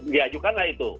diajukan lah itu